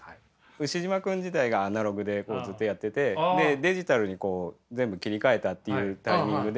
「ウシジマくん」時代がアナログでずっとやっててでデジタルにこう全部切り替えたっていうタイミングで。